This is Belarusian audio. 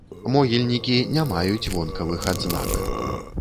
Могільнікі не маюць вонкавых адзнак.